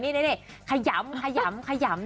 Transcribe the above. นี่ขยำขยำขยำ